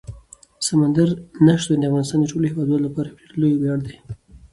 سمندر نه شتون د افغانستان د ټولو هیوادوالو لپاره یو ډېر لوی ویاړ دی.